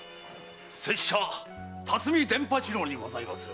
拙者巽伝八郎にございまする。